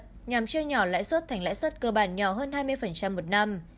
nhằm chia nhỏ lãi suất thành lãi suất cơ bản nhỏ hơn hai mươi một năm